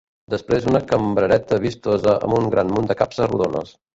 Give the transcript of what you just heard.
Després una cambrereta vistosa, amb un gran munt de capses rodones.